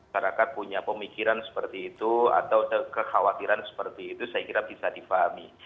masyarakat punya pemikiran seperti itu atau kekhawatiran seperti itu saya kira bisa difahami